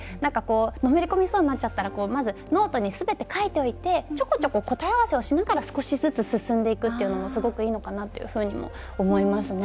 のめり込みそうになっちゃったらまずノートにすべて書いておいてちょこちょこ答え合わせをしながら少しずつ進んでいくっていうのもすごくいいのかなっていうふうにも思いますね。